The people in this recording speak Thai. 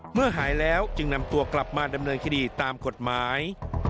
หายแล้วจึงนำตัวกลับมาดำเนินคดีตามกฎหมาย